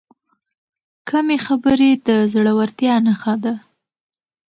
کمې خبرې، د زړورتیا نښه ده.